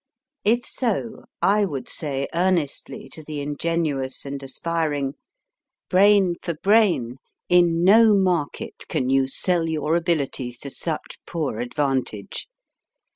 If so, I would say earnestly to the ingenuous and aspiring Brain for brain, in no market can you sell your abilities to such poor advantage.